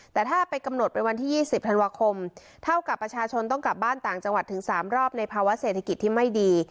แต่ถ้าไปกำหนดเป็นวันที่๒๐ธันวาคมเท่ากับประชาชนต้องกลับบ้านต่างจังหวัดถึง๓รอบในภาวะเศรษฐกิจที่ไม่ดี